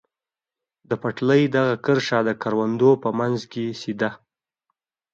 د پټلۍ دغه کرښه د کروندو په منځ کې سیده.